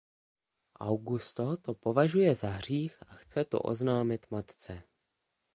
Augusto to považuje za hřích a chce to oznámit matce.